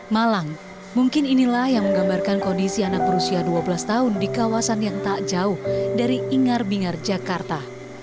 malang mungkin inilah yang menggambarkan kondisi anak berusia dua belas tahun di kawasan yang tak jauh dari ingar bingar jakarta